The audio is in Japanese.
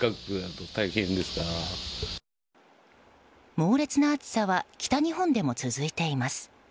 猛烈な暑さは北日本でも続いています。